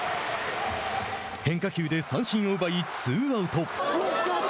変化球で三振を奪いツーアウト。